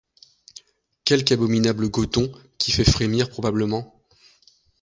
Quelque abominable goton, qui fait frémir probablement!